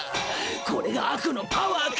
これが悪のパワーか。